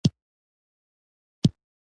احمد او علي پرېکړه وکړه، چې هره ورځ ورزش وکړي